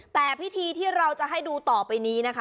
แต่พิธีที่เราจะให้ต่อไปนี